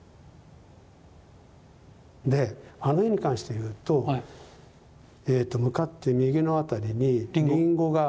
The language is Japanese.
であの絵に関して言うと向かって右の辺りにリンゴが。